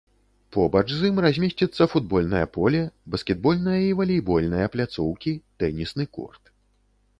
Побач з ім размесціцца футбольнае поле, баскетбольная і валейбольная пляцоўкі, тэнісны корт.